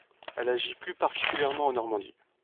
Elle agit plus particulièrement en Normandie.